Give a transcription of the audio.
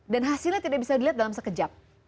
dan hasilnya tidak bisa dilihat dalam sekejap